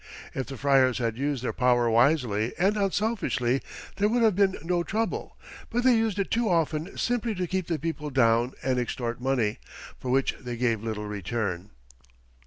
If the friars had used their power wisely and unselfishly, there would have been no trouble, but they used it too often simply to keep the people down and extort money, for which they gave little return.